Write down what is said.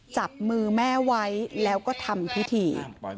จับมือแม่ไว้แล้วก็ทำพิธี